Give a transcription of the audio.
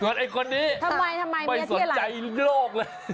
ส่วนไอ้คนนี้ไม่สนใจโลกเลย